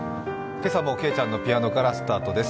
今朝もけいちゃんのピアノからスタートです。